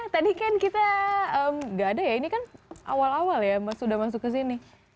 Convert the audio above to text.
tadi kan kita nggak ada ya ini kan awal awal ya sudah masuk ke sini